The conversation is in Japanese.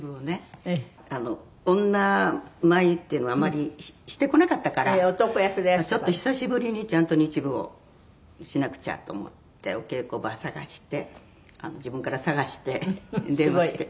女舞っていうのをあんまりしてこなかったからちょっと久しぶりにちゃんと日舞をしなくちゃと思ってお稽古場探して自分から探して電話して。